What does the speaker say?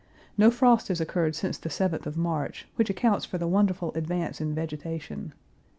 No frost has occurred since the seventh of March, which accounts for the wonderful advance in vegetation.